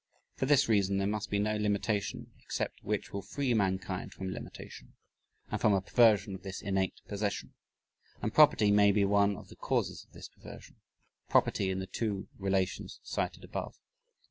For this reason there must be no limitation except that which will free mankind from limitation, and from a perversion of this "innate" possession: And "property" may be one of the causes of this perversion property in the two relations cited above.